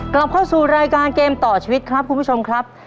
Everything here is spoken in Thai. กลับเข้าสู่รายการเกมต่อชีวิตครับคุณผู้ชมครับ